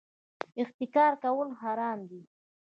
احتکار کول حرام دي